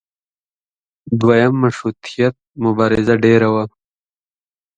دویم مشروطیت مبارزه ډېره وه.